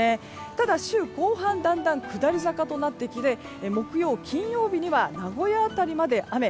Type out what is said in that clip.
ただ、週後半だんだん下り坂となってきて木曜、金曜日には名古屋辺りまで雨。